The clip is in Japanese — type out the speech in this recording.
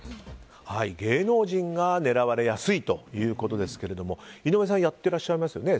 芸能人が狙われやすいということですけれども井上さんやってらっしゃいますよね。